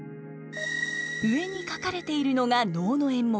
上に書かれているのが能の演目。